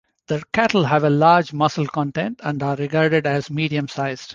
The cattle have a large muscle content and are regarded as medium-sized.